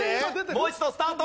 もう一度スタート。